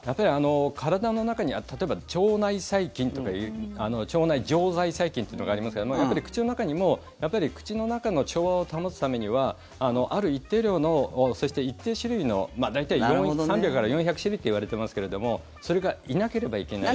体の中には例えば腸内細菌とか腸内常在細菌というのがありますけどやっぱり口の中にも口の中の調和を保つためにはある一定量のそして、一定種類の大体、３００から４００種類といわれてますけどもそれがいなければいけない。